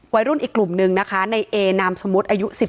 วัยรุ่นอีกกลุ่มนึงนะคะในเอนามสมมุติอายุ๑๓